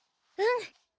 うん。